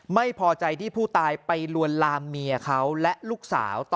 ไม่พอใจที่ผู้ตายไปลวนลามเมียเขาและลูกสาวต่อ